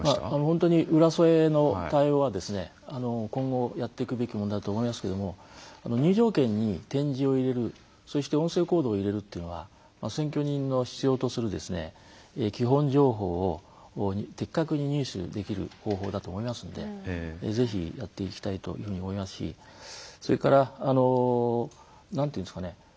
本当に浦添の対応は今後やっていくべきものだと思いますけども入場券に点字を入れるそして音声コードを入れるというのは選挙人の必要とする基本情報を的確に入手できる方法だと思いますのでぜひやっていきたいというふうに思いますしそれから福祉部局との連携。